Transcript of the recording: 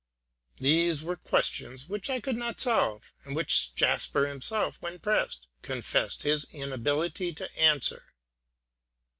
These were questions which I could not solve, and which Jasper himself, when pressed, confessed his inability to answer.